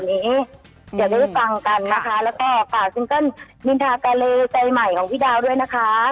เดี๋ยวได้ฟังกันนะคะแล้วก็ฝากซิงเกิ้ลนินทากาเลใจใหม่ของพี่ดาวด้วยนะคะ